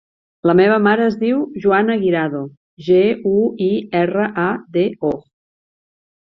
La meva mare es diu Joana Guirado: ge, u, i, erra, a, de, o.